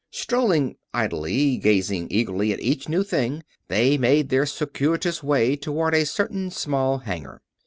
Strolling idly, gazing eagerly at each new thing, they made their circuitous way toward a certain small hangar.